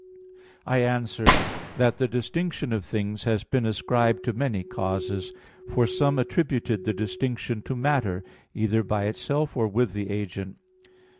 I answer that, The distinction of things has been ascribed to many causes. For some attributed the distinction to matter, either by itself or with the agent.